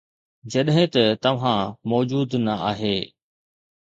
جڏهن ته توهان موجود نه آهي